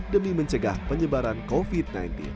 demi mencegah penyebaran covid sembilan belas